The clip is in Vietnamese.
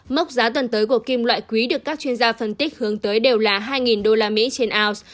mốc giá tuần tới của kim loại quý được các chuyên gia phân tích hướng tới đều là hai usd trên ounce